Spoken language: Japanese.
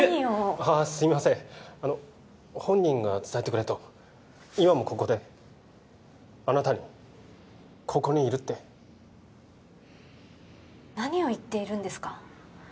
ああすいません本人が伝えてくれと今もここであなたにここにいるって何を言っているんですか？